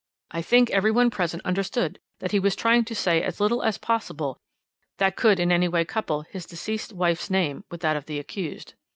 "I think every one present understood that he was trying to say as little as possible that could in any way couple his deceased wife's name with that of the accused.